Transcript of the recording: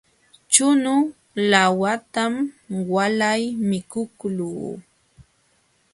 Chunu laawatam walay mikuqluu.